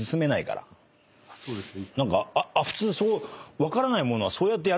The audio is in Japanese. そうですね。